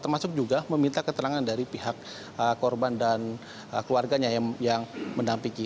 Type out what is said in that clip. termasuk juga meminta keterangan dari pihak korban dan keluarganya yang mendampingi